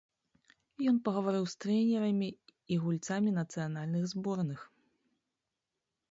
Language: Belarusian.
Ён пагаварыў з трэнерамі і гульцамі нацыянальных зборных.